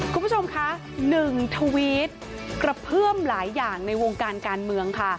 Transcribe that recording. คุณผู้ชมคะหนึ่งทวิตกระเพื่อมหลายอย่างในวงการการเมืองค่ะ